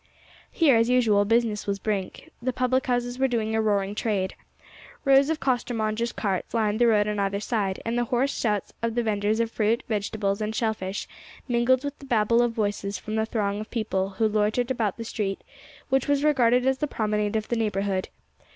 Here, as usual, business was brisk; the public houses were doing a roaring trade. Rows of costermongers' carts lined the road on either side, and the hoarse shouts of the vendors of fruit, vegetables, and shell fish, mingled with the Babel of voices from the throng of people who loitered about the street, which was regarded as the promenade of the neighbourhood.